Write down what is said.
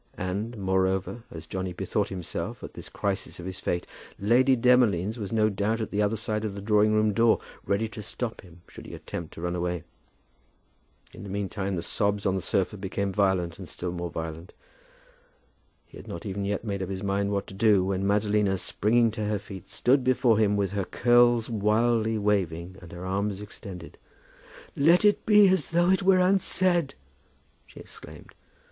And, moreover, as Johnny bethought himself at this crisis of his fate, Lady Demolines was no doubt at the other side of the drawing room door, ready to stop him, should he attempt to run away. In the meantime the sobs on the sofa became violent, and still more violent. He had not even yet made up his mind what to do, when Madalina, springing to her feet, stood before him, with her curls wildly waving and her arms extended. "Let it be as though it were unsaid," she exclaimed.